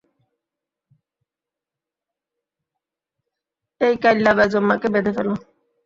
এই কাইল্লা বেজন্মা কে বেঁধে ফেল।